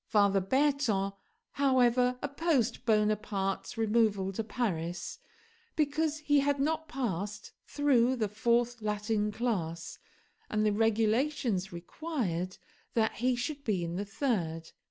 Father Berton, however, opposed Bonaparte's removal to Paris, because he had not passed through the fourth Latin class, and the regulations required that he should be in the third.